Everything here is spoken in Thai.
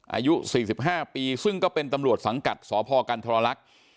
อายุ๔๕ปีซึ่งก็เป็นตำรวจสังกัดสพกันทรลักษณ์